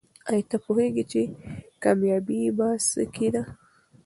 آیا ته پوهېږې چې کامیابي په څه کې ده؟